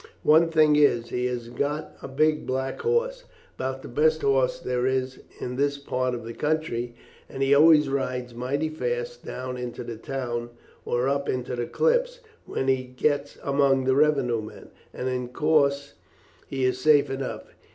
One thing is, he has got a big black horse, about the best horse there is in this part of the country, and he always rides mighty fast down into the town or up on to the cliffs, where he gets among the revenue men, and in course he is safe enough.